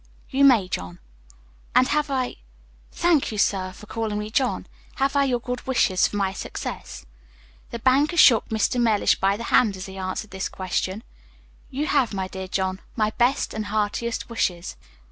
"You may, John." "And have I thank you, sir, for calling me John have I your good wishes for my success?" The banker shook Mr. Mellish by the hand as he answered this question. "You have, my dear John, my best and heartiest wishes."